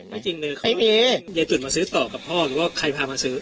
ไม่จริงเลยยายจุดมาซื้อต่อกับพ่อหรือว่าใครพามาซื้อ